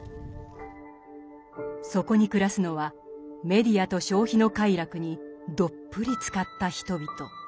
そこに暮らすのはメディアと消費の快楽にどっぷりつかった人々。